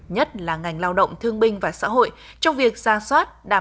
nhất là ngành lao động thương binh và xã hội trong việc ra soát đảm bảo an sinh cho các đối tượng chính sách